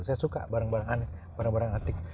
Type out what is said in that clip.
saya suka barang barang aneh barang barang antik